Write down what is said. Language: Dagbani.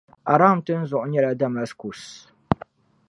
Aram tinzuɣu nyɛla Damaskus.